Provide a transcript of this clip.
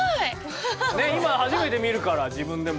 今初めて見るから自分でも。